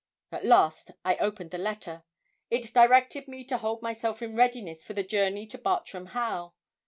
At last I opened the letter. It directed me to hold myself in readiness for the journey to Bartram Haugh.